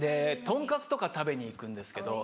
豚カツとか食べに行くんですけど。